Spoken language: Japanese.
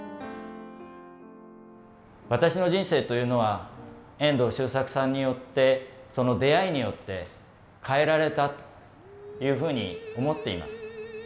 私の人生というのは遠藤周作さんによってその出会いによって変えられたというふうに思っています。